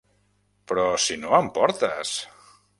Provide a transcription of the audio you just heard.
Però si no en portes!